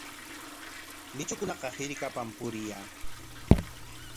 Luychukunaqa hirkakunapam puriyan.